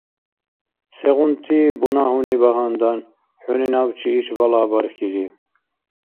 Сегъунти бунагьуни багьандан хӏуни набчи иш балагь бархьаири?